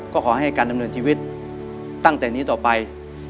ก็ขอให้การดำเนินชีวิตตั้งแต่นี้ต่อไป